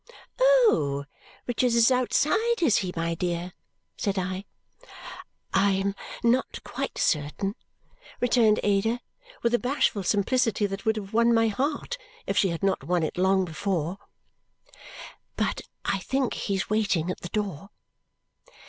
"Oh! Richard is outside, is he, my dear?" said I. "I am not quite certain," returned Ada with a bashful simplicity that would have won my heart if she had not won it long before, "but I think he's waiting at the door."